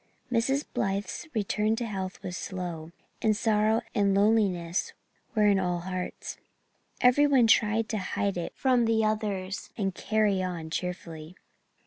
Mrs. Blythe's return to health was slow, and sorrow and loneliness were in all hearts. Every one tried to hide it from the others and "carry on" cheerfully.